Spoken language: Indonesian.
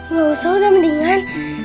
gak usah udah mendingan